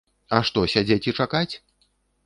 А што сядзець і чакаць?